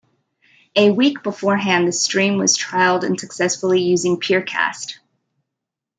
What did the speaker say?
A week beforehand the stream was trialled unsuccessfully using peercast.